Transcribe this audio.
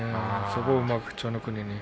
そこをうまく千代の国に。